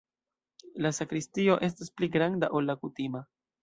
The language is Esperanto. La sakristio estas pli granda, ol la kutima.